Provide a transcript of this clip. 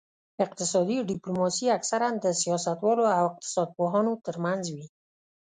اقتصادي ډیپلوماسي اکثراً د سیاستوالو او اقتصاد پوهانو ترمنځ وي